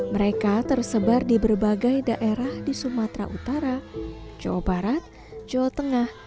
mereka tersebar di berbagai daerah di sumatera utara jawa barat jawa tengah